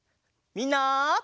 みんな！